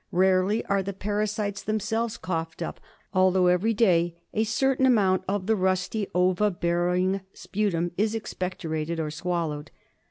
Rarely are the parasites themselves coughed up, although every day a certain amount of the rusty, ova bearing sputum is expectorated or swallowed.